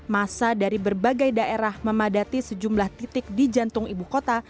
masa dari berbagai daerah memadati sejumlah titik di jantung ibu kota